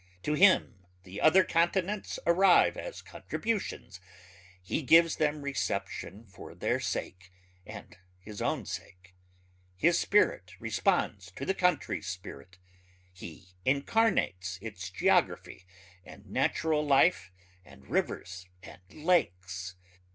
To him the other continents arrive as contributions ... he gives them reception for their sake and his own sake. His spirit responds to his country's spirit ... he incarnates its geography and natural life and rivers and lakes.